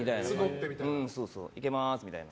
行けます！みたいな。